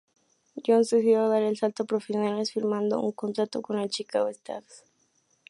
John's, decidió dar el salto a profesionales, firmando un contrato con los Chicago Stags.